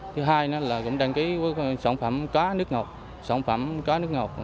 thứ hai nữa là cũng đăng ký sản phẩm cá nước ngọt sản phẩm cá nước ngọt